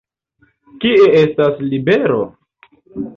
Kie estas Libero?